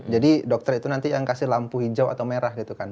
jadi dokter itu nanti yang kasih lampu hijau atau merah gitu kan